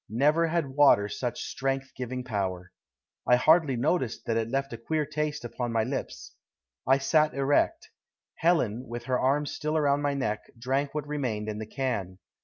Never had water such strength giving power. I hardly noticed that it left a queer taste upon my lips. I sat erect. Helen, with her arm still around my neck, drank what remained in the can.